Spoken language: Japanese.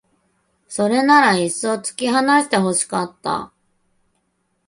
それならいっそう突き放して欲しかった